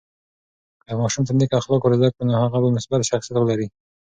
که ماشوم ته نیک اخلاق ورزده کړو، نو هغه به مثبت شخصیت ولري.